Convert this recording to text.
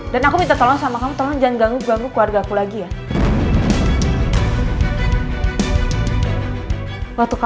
dan aku minta tolong sama kamu tolong jangan ganggu ganggu keluarga aku lagi ya